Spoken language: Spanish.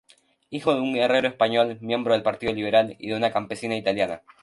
Hijo de un herrero español, miembro del Partido Liberal, y de una campesina italiana.